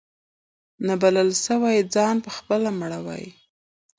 نه بلبل سوای ځان پخپله مړولای